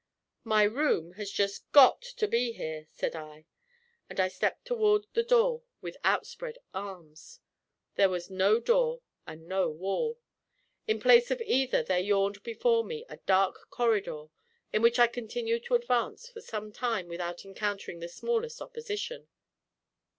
"My room has just GOT to be here," said I, and I stepped towards the door with outspread arms. There was no door and no wall; in place of either there yawned before me a dark corridor, in which I continued to advance for some time without encountering the smallest opposition.